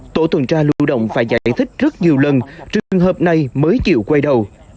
tổ tuần tra lưu động phải giải thích rất nhiều lần trường hợp này mới chịu quay đầu